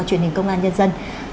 truyền hình công an nhân dân